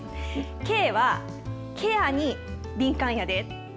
毛はケアに敏感やで。